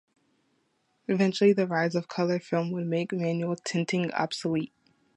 Eventually the rise of color film would make manual tinting obsolete.